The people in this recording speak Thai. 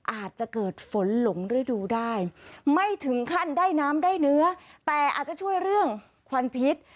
อาจจะเกิดฝนหลงฤดูได้ไม่ถึงขั้นได้น้ำได้เนื้อแต่อาจจะช่วยเรื่องควันพิษ